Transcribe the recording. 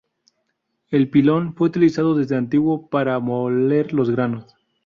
El pilón fue utilizado desde antiguo para moler los granos.